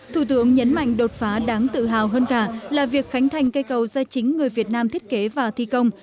thủ tướng nhấn mạnh đột phá đáng tự hào hơn cả là việc khánh thành cây cầu do chính người việt nam thiết kế và thi công